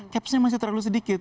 caps nya masih terlalu sedikit